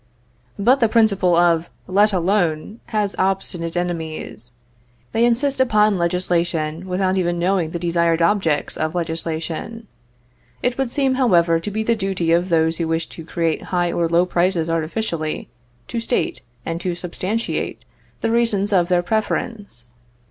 But the principle of "let alone" has obstinate enemies. They insist upon legislation without even knowing the desired objects of legislation. It would seem, however, to be the duty of those who wish to create high or low prices artificially, to state, and to substantiate, the reasons of their preference.